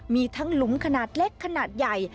มีทั้งหลุมขนาดเล็กขนาดใหญ่